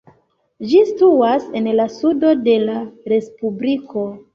Ĝi situas en la sudo de la respubliko.